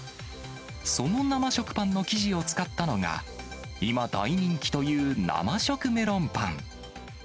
その生食パンの生地を使ったのが、今、大人気という生食メロンパン。